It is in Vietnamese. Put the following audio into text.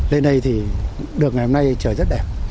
lên đây thì được ngày hôm nay trời rất đẹp